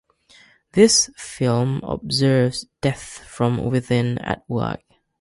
This film observes death from within at work.